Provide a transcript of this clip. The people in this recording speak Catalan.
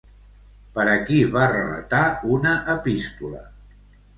Per a qui va relatar una epístola?